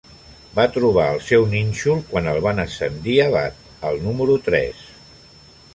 Va trobar el seu nínxol quan el van ascendir a bat, al número tres.